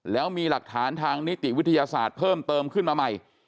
แล้วมีหลักฐานทางนิติวิทยาศาสตร์เพิ่มเติมขึ้นมาใหม่